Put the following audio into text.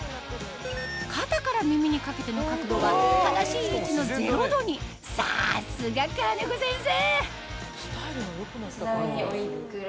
肩から耳にかけての角度は正しい位置の０度にさすが兼子先生！